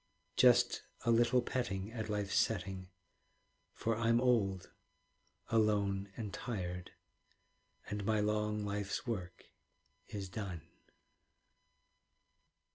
Just a little petting At life's setting; For I'm old, alone, and tired, And my long life's work is done.